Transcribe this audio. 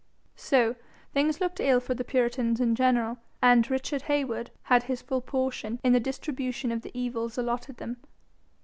So things looked ill for the puritans in general, and Richard Heywood had his full portion in the distribution of the evils allotted them.